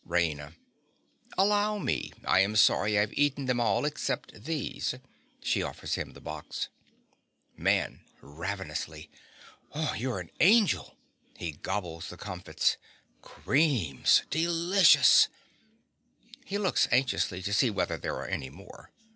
_) RAINA. Allow me. I am sorry I have eaten them all except these. (She offers him the box.) MAN. (ravenously). You're an angel! (He gobbles the comfits.) Creams! Delicious! (_He looks anxiously to see whether there are any more.